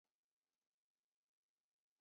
曼波雷是巴西巴拉那州的一个市镇。